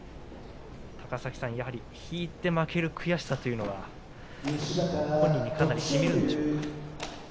高崎さん、やはり引いて負ける悔しさというのは本人にかなりしみるんでしょうか。